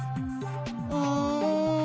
うん。